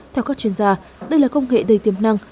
theo các chuyên gia đây là công nghệ đầy tiềm năng